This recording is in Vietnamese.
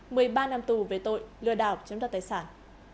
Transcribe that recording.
một mươi ba năm tù về tội lừa đảo chiếm đoạt tài sản